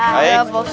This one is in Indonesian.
ya ada boksan